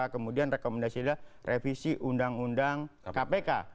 kemudian rekomendasinya revisi undang undang kpk